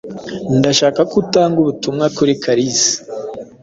Ndashaka ko utanga ubutumwa kuri Kalisa.